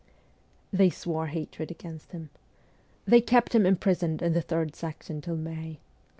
' They swore hatred against him. They kept him imprisoned in the Third Section till May.